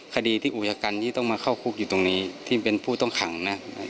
คดีที่อุจกรรมนี้ต้องมาเข้าคุกอยู่ตรงนี้ที่เป็นผู้ต้องขังนะ